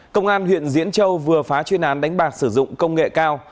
công an huyện diễn châu vừa phá chuyên án đánh bạc sử dụng công nghệ cao